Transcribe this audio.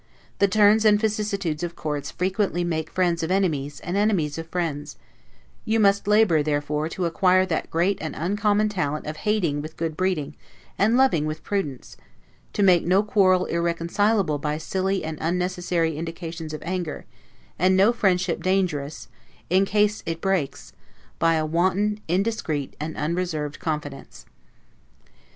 The turns and vicissitudes of courts frequently make friends of enemies, and enemies of friends; you must labor, therefore, to acquire that great and uncommon talent of hating with good breeding and loving with prudence; to make no quarrel irreconcilable by silly and unnecessary indications of anger; and no friendship dangerous, in case it breaks, by a wanton, indiscreet, and unreserved confidence.